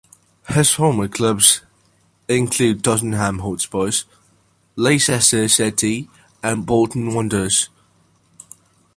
His former clubs include Tottenham Hotspur, Leicester City and Bolton Wanderers.